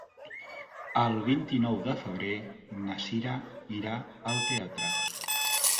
El vint-i-nou de febrer na Sira irà al teatre.